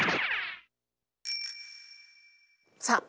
さあ